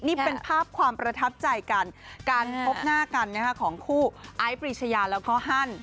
นี่เป็นภาพความประทับใจกันการพบหน้ากันของคู่ไอซ์ปรีชยาแล้วก็ฮั่น